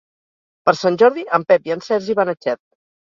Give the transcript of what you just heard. Per Sant Jordi en Pep i en Sergi van a Xert.